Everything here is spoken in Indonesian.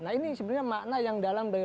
nah ini sebenarnya makna yang dalam